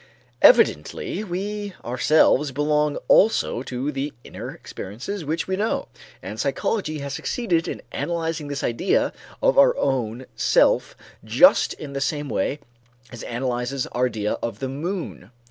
Evidently we ourselves belong also to the inner experiences which we know; and psychology has succeeded in analyzing this idea of our own self just in the same way as it analyzes our idea of the moon.